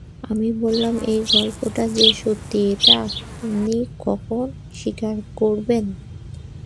আমি বললাম, এই গল্পটা যে সত্যি, এটা আপনি কখন স্বীকার করবেন?